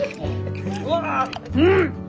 うん！